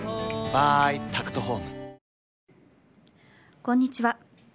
こんにちは。